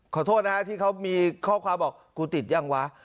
ขอโทษนะฮะที่เขามีข้อความบอกกูติดยังวะ